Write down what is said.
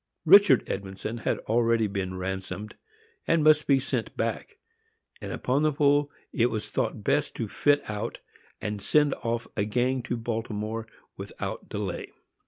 Richard Edmondson had already been ransomed, and must be sent back; and, upon the whole, it was thought best to fit out and send off a gang to Baltimore, without delay.